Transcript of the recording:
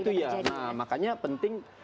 tidak terjadi nah itu ya makanya penting